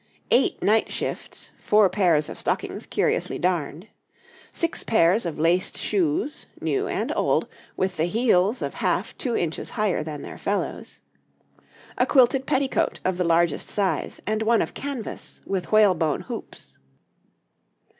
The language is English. Eight night shifts, four pairs of stockings curiously darned. Six pairs of laced Shoes, new and old, with the heels of half 2 inches higher than their fellows. A quilted Petticoat of the largest size, and one of Canvas, with whalebone hoops.